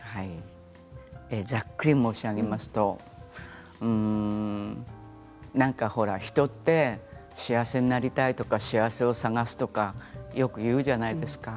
ざっくり申し上げますとなんかほら人って幸せになりたいとか幸せを探すとかよく言うじゃないですか。